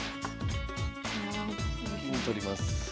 銀取ります。